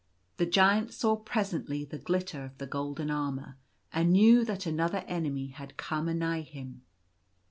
The Giant saw presently the glitter of the golden armour, and knew that another enemy had come anigh him.